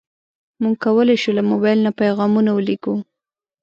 موږ کولی شو له موبایل نه پیغامونه ولېږو.